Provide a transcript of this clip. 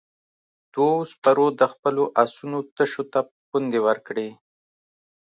دوو سپرو د خپلو آسونو تشو ته پوندې ورکړې.